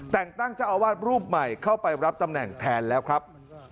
แต่งตั้งเจ้าอาวาสรูปใหม่เข้าไปรับตำแหน่งแทนแล้วครับ